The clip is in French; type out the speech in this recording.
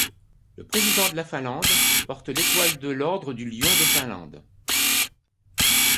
Le président de la Finlande porte l’Étoile de l’ordre du Lion de Finlande.